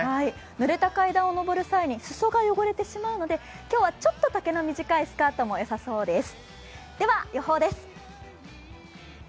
ぬれた階段を上る際に裾が汚れてしまうので今日はちょっと丈の短いスカートもよさそうです。